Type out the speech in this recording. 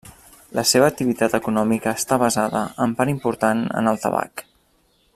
La seva activitat econòmica està basada en part important en el tabac.